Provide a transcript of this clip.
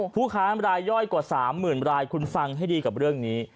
ผู้ค้ารายย่อยกว่า๓๐๐๐รายคุณฟังให้ดีกับเรื่องนี้